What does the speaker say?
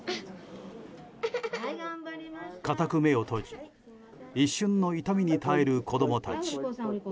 固く目を閉じ一瞬の痛みに耐える子供たち。